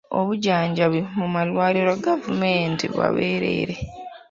Obujjanjabi mu malwaliro ga gavumenti bwa bwereere.